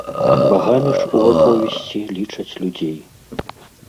Багамі ж у аповесці лічаць людзей.